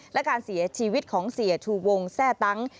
และการเสียชีวิตของเสียชูวงแทร่ตั้ง